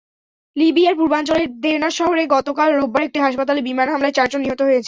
লিবিয়ার পূর্বাঞ্চলের দেরনা শহরে গতকাল রোববার একটি হাসপাতালে বিমান হামলায় চারজন নিহত হয়েছে।